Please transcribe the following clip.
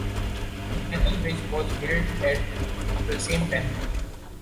The Canal Bridge was built at the same time.